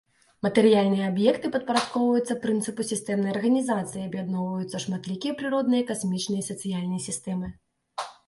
Матэрыяльныя аб'екты падпарадкоўваюцца прынцыпу сістэмнай арганізацыі і аб'ядноўваюцца ў шматлікія прыродныя, касмічныя, сацыяльныя сістэмы.